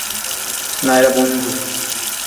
না, এরা বন্ধু!